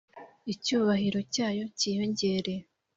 Icyubahiro cyayo kiyongere.